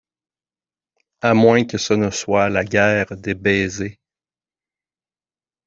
A moins que ce ne soit la guerre des baisers.